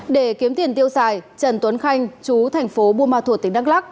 để kiếm tiền tiêu xài trần tuấn khanh chú thành phố buôn ma thuột tỉnh đắk lắc